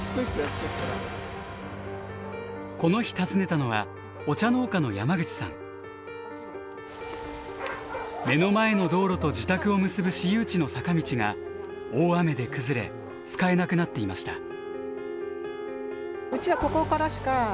この日訪ねたのは目の前の道路と自宅を結ぶ私有地の坂道が大雨で崩れ使えなくなっていました。